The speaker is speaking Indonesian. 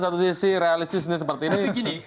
satu sisi realistisnya seperti ini